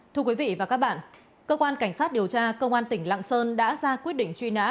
thưa quý vị và các bạn cơ quan cảnh sát điều tra công an tỉnh lạng sơn đã ra quyết định truy nã